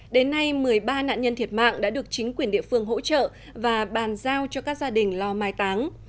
đến nay một mươi ba nạn nhân thiệt mạng đã được chính quyền địa phương hỗ trợ và bàn giao cho các gia đình lo mai táng